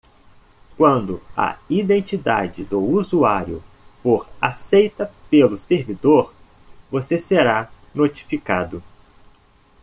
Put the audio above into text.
Quando a identidade do usuário for aceita pelo servidor?, você será notificado.